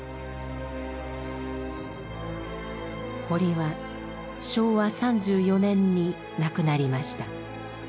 堀は昭和３４年に亡くなりました。